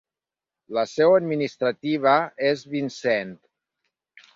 La seu administrativa és Vincent.